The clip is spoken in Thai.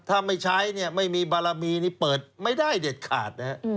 ถ้าไม่ใช้ไม่มีบารมีเปิดไม่ได้เด็ดขาด